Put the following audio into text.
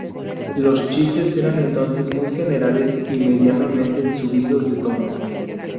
Los chistes eran entonces muy generales y medianamente subidos de tono.